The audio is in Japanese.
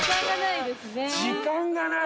時間がない？